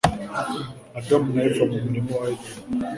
Adamu na Eva mu murima wa Edeni